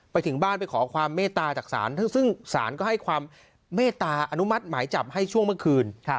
ไปถึงบ้านไปขอความเมตตาจากศาลซึ่งศาลก็ให้ความเมตตาอนุมัติหมายจับให้ช่วงเมื่อคืน